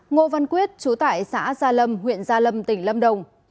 ngô văn quyết chú tại xã gia lâm huyện gia lâm tỉnh lâm đồng